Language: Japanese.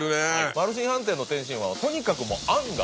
マルシン飯店の天津飯はとにかく。